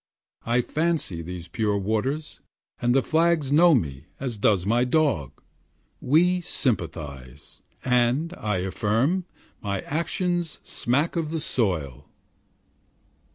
I fancy these pure waters and the flags Know me, as does my dog: we sympathize; And, I affirm, my actions smack of the soil.'